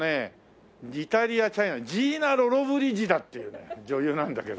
イタリアチャイナジーナ・ロロブリジーダっていう女優なんだけど。